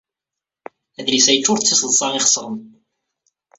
Adlis-a yeccuṛ d tiseḍsa ixeṣren.